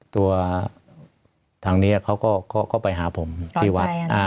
ตัวทางนี้เขาก็ไปหาผมที่วัด